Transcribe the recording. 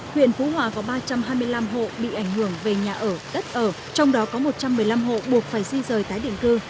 huyện phú hòa có ba trăm hai mươi năm hộ bị ảnh hưởng về nhà ở đất ở trong đó có một trăm một mươi năm hộ buộc phải di rời tái định cư